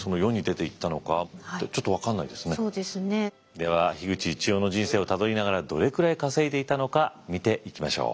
では口一葉の人生をたどりながらどれくらい稼いでいたのか見ていきましょう。